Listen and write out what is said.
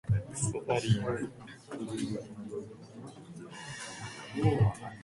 かつて、地球には極域に氷床が存在しない時期があった。